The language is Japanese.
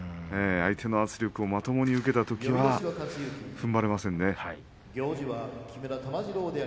相手の圧力をまともに受けたときは、ふんばれませんね。